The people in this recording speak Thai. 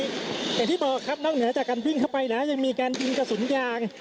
อย่างที่บอกครับนอกเหนือจากการวิ่งเข้าไปแล้วยังมีการยิงกระสุนยาง